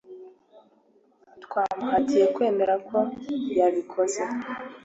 Twamuhatiye kwemera ko yabikoze